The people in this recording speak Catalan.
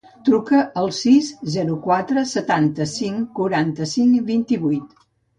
Truca al sis, zero, quatre, setanta-cinc, cinquanta-cinc, vint-i-vuit.